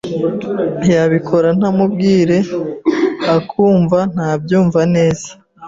yabikora ntamubwire akumva ntabyumva neza.